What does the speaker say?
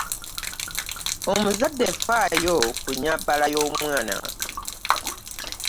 Omuzadde, faayo ku nnyambala y'omwana.